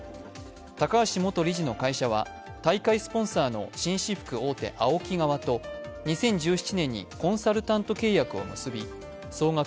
高橋元理事の会社は大会スポンサーの紳士服大手ＡＯＫＩ側と２０１７年にコンサルタント契約を結び総額